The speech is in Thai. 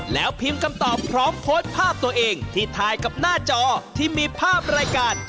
แล้วพิมพ์คำตอบพร้อมโพสต์ภาพตัวเองที่ถ่ายกับหน้าจอที่มีภาพรายการ